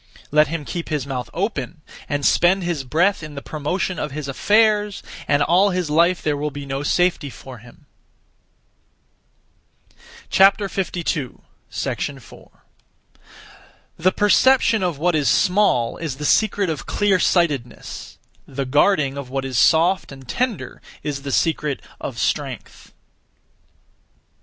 Let him keep his mouth open, and (spend his breath) in the promotion of his affairs, and all his life there will be no safety for him. 4. The perception of what is small is (the secret of) clear sightedness; the guarding of what is soft and tender is (the secret of) strength.